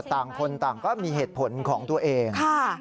ต่างคนต่างก็มีเหตุผลของตัวเอง